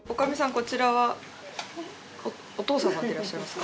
こちらはお父様でいらっしゃいますか？